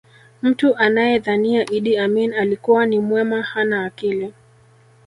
mtu anayedhania idi amin alikuwa ni mwema hana akili